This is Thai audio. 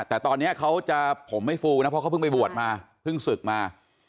แต่ตอนนี้เขาจะผมไม่ฟูนะเพราะเขาเพิ่งไปบวชมาเพิ่งศึกมา